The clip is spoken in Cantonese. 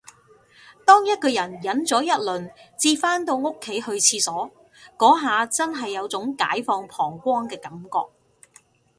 當一個人忍咗一輪至返到屋企去廁所，嗰下真係有種解放膀胱嘅感覺